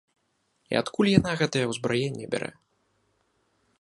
І адкуль яна гэтае ўзбраенне бярэ?